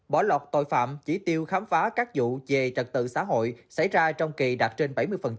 bỏ lọt tội phạm chỉ tiêu khám phá các vụ về trật tự xã hội xảy ra trong kỳ đạt trên bảy mươi